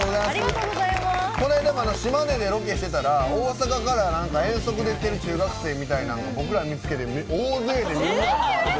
こないだも島根でロケしてたら大阪から遠足で来てる中学生みたいなのが僕らを見つけて大勢で、みんな。